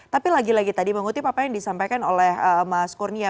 tapi lagi lagi tadi mengutip apa yang disampaikan oleh mas kurnia